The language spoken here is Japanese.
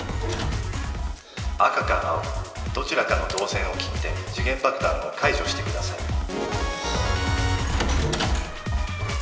赤か青かどちらかの導線を切って時限爆弾を解除してください。